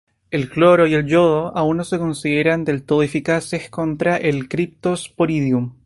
El cloro y el yodo no se consideran del todo eficaces contra el Cryptosporidium.